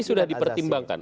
tapi sudah dipertimbangkan